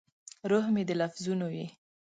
روح مې د لفظونو یې